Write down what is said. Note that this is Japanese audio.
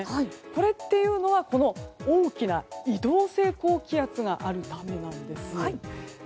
これっていうのは大きな移動性高気圧があるためなんです。